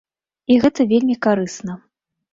І гэта вельмі карысна.